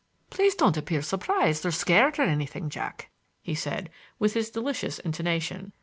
"Please don't appear surprised, or scared or anything, Jack," he said, with his delicious intonation.